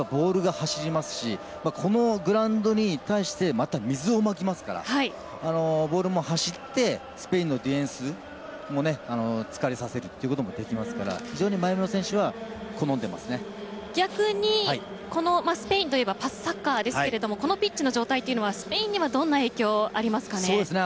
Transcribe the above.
やっぱボールがはしりますしこのグラウンドに対してまた水をまきますからボールも走ってスペインのディフェンスも疲れさせるということもできますから非常に前めの選手は逆にスペインといえばパスサッカーですけれどもこのピッチの状態というのはスペインにはどんな影響ありますかね。